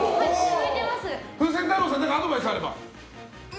風船太郎さんアドバイスがあれば。